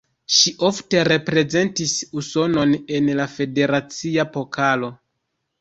Ŝi ofte reprezentis Usonon en la Federacia Pokalo.